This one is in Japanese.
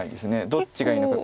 どっちがいいのか。